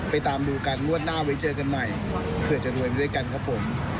ตามดูกันงวดหน้าไว้เจอกันใหม่เผื่อจะรวยไปด้วยกันครับผม